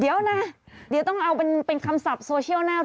เดี๋ยวนะเดี๋ยวต้องเอาเป็นคำศัพท์โซเชียลหน้ารถ